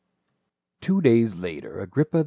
"* Two days later Agrippa II.